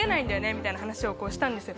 みたいな話をしたんですよ